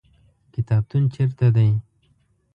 کتابتون چیرته دی؟